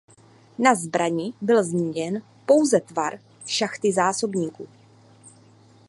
Na zbrani byl změněn pouze tvar šachty zásobníku.